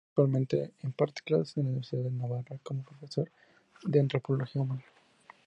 Actualmente, imparte clases en la Universidad de Navarra como profesor de Antropología humana.